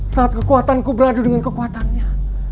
saat kekuatanku beradu dengan kekuatannya